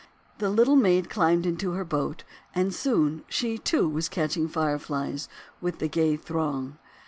The Little Maid climbed into her boat, and soon she, too, was catching Fireflies with the gay throng.